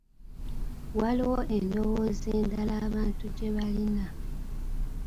Waaliwo endowooza endala abantu gye baalina.